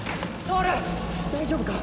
大丈夫か！？